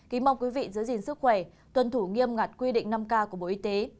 kính mong quý vị giữ gìn sức khỏe tuân thủ nghiêm ngặt quy định năm k của bộ y tế